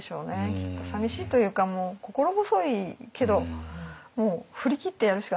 きっとさみしいというか心細いけどもう振り切ってやるしかないんでしょうね。